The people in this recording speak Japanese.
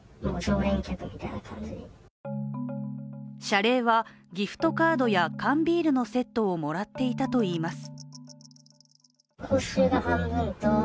謝礼はギフトカードや缶ビールのセットをもらっていたといいます。